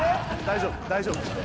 大丈夫大丈夫。